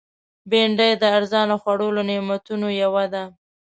بېنډۍ د ارزانه خوړو له نعمتونو یوه ده